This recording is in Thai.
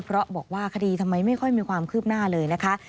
เพราะบอกว่าคดีทำไมไม่ค่อยมีความคืบหน้าเลยนะคะ